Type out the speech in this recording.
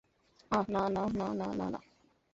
অহ, না, না, না, না, না, না।